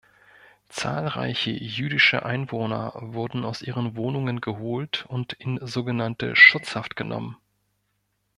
Zahlreiche jüdische Einwohner wurden aus ihren Wohnungen geholt und in sogenannte Schutzhaft genommen.